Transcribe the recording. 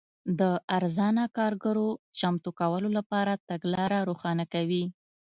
د ارزانه کارګرو چمتو کولو لپاره تګلاره روښانه کوي.